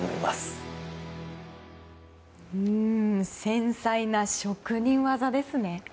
繊細な職人技ですね。